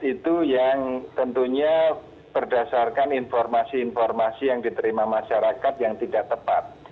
itu yang tentunya berdasarkan informasi informasi yang diterima masyarakat yang tidak tepat